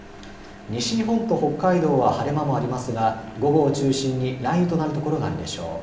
西日本と北海道は晴れ間もありますが午後を中心に雷雨となる所があるでしょう。